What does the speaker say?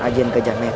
ajen gajah meta